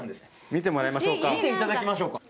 見てもらいましょうか。